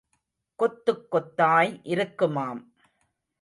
கொத்துக் கொத்தாய் இருக்குமாம்.